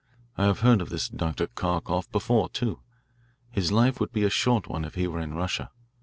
I have heard of this Dr. Kharkoff before, too. His life would be a short one if he were in Russia.